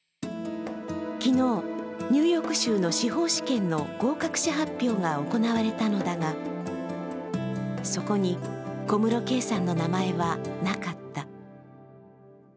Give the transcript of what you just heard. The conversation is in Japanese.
昨日、ニューヨーク州の司法試験の合格者発表が行われたのだが、そこに小室圭さんの名前はなかった。